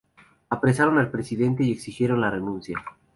Apresaron al presidente y exigieron la renuncia.